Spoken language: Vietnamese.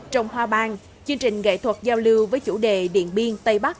trồng hoa bang chương trình nghệ thuật giao lưu với chủ đề điện biên tây bắc